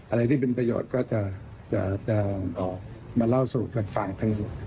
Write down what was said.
อะไรที่มีประโยชน์ก็จะมาเล่าสู่คุณภ้านคืน